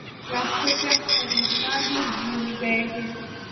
راستے سے خریدنا ہی بھول گئے ہیں